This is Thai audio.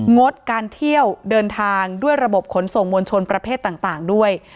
งดการเที่ยวเดินทางด้วยระบบขนส่งมวลชนประเภทต่างด้วย